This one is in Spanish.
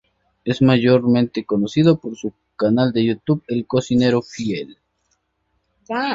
Es mayormente conocido por su canal de youtube "El Cocinero Fiel".